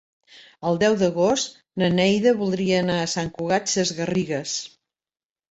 El deu d'agost na Neida voldria anar a Sant Cugat Sesgarrigues.